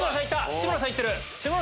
志村さんいってる！